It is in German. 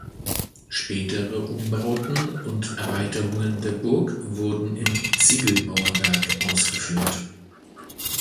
Spätere Umbauten und Erweiterungen der Burg wurden in Ziegelmauerwerk ausgeführt.